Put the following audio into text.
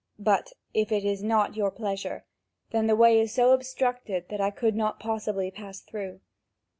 But if it is not your pleasure, then the way is so obstructed that I could not possibly pass through."